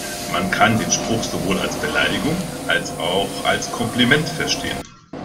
Man kann den Spruch sowohl als Beleidigung als auch als Kompliment verstehen.